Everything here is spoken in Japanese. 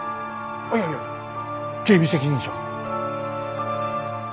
いやいや警備責任者が？